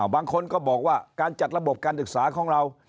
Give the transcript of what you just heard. บางคนก็บอกว่าการจัดระบบการศึกษาของเรา